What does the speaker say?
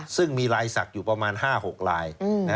ซึ่งมีลายศักดิ์อยู่ประมาณ๕๖ลาย